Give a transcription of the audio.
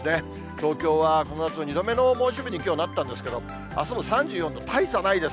東京はこの夏２度目の猛暑日にきょう、なったんですけど、あすも３４度、大差ないです。